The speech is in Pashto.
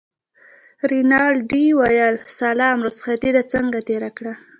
رینالډي وویل سلام رخصتې دې څنګه تېره کړه.